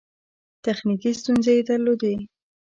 تخنیکي ستونزې یې درلودې.